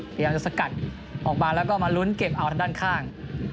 พยายามจะสกัดออกมาแล้วก็มาลุ้นเก็บเอาทางด้านข้าง